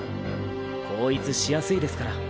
後逸しやすいですから。